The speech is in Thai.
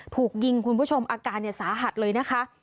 ถูกยิงคุณผู้ชมอาการสาหัสเลยนะคะ